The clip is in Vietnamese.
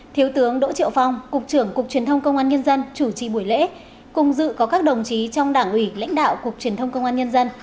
thiếu tướng đỗ triệu phong cục trưởng cục truyền thông công an nhân dân chủ trì buổi lễ cùng dự có các đồng chí trong đảng ủy lãnh đạo cục truyền thông công an nhân dân